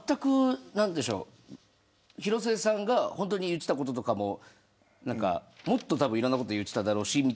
広末さんが本当に言っていたこととかももっといろんなことを言っていただろうし。